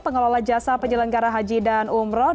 pengelola jasa penyelenggara haji dan umroh